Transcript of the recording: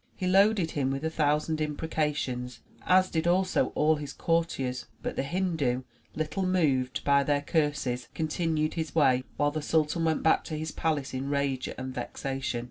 He loaded him with a thousand imprecations, as did also all his courtiers. But the Hindu, little moved by their curses, continued his way, while the sultan went back to his palace in rage and vexation.